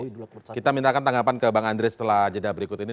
jadi kita mintakan tanggapan ke bang andre setelah jeda berikut ini